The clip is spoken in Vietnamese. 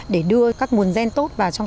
để đưa các nguồn gen tốt vào chỗ này